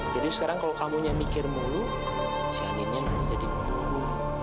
jadi sekarang kalau kamu nyamikir mulu janinnya nanti jadi burung